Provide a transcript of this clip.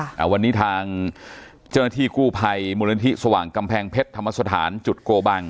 อ่าวันนี้ทางเจ้าหน้าที่กู้ภัยมูลนิธิสว่างกำแพงเพชรธรรมสถานจุดโกบัง